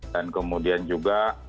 dan kemudian juga